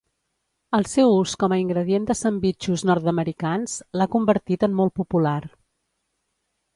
El seu ús com a ingredient de sandvitxos nord-americans l'ha convertit en molt popular.